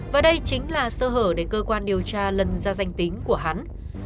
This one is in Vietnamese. và đây chính là sơ hở đến cơ quan điều tra lần gia danh tính của hắn